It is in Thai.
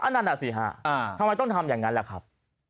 นั่นน่ะสิฮะทำไมต้องทำอย่างนั้นแหละครับ